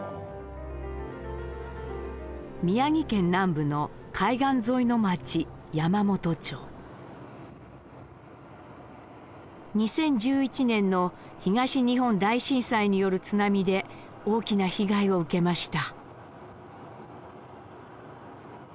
宮城県南部の海岸沿いの町２０１１年の東日本大震災による津波で大きな被害を受けました。